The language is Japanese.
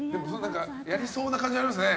やりそうな感じはありますよね。